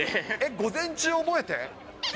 午前中覚えて？